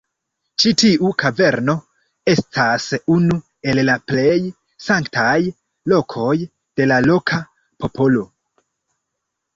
Ĉi tiu kaverno estas unu el la plej sanktaj lokoj de la loka popolo.